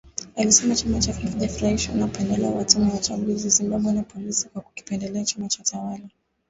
Alisema chama chake hakijafurahishwa na upendeleo wa tume ya uchaguzi ya Zimbabwe, na polisi kwa kukipendelea chama tawala